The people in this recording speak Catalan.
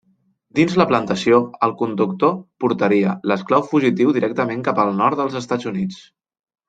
Dins la plantació, el conductor portaria l'esclau fugitiu directament cap al nord dels Estats Units.